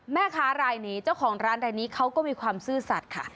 แม่ค้ารายนี้เจ้าของร้านรายนี้เขาก็มีความซื่อสัตว์ค่ะ